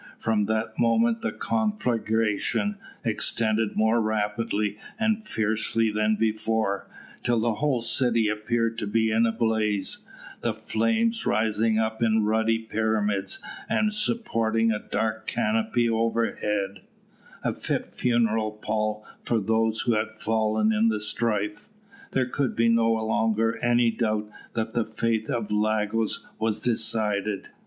From that moment the conflagration extended more rapidly and fiercely than before, till the whole city appeared to be in a blaze, the flames rising up in ruddy pyramids and supporting a dark canopy overhead a fit funeral pall for those who had fallen in the strife. There could be no longer any doubt that the fate of Lagos was decided.